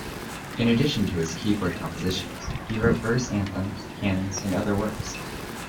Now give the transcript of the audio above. In addition to his keyboard compositions, he wrote verse anthems, canons and other works.